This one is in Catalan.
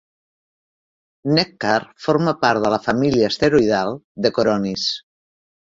Neckar forma part de la família asteroidal de Coronis.